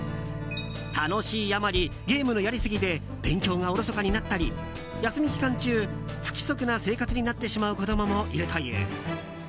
楽しいあまりゲームのやりすぎで勉強がおろそかになったり休み期間中、不規則な生活になってしまう子供もいるという。